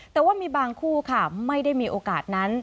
แต่ว่ามีบางคู่ค่ะไม่ได้มีโอกาสนั้น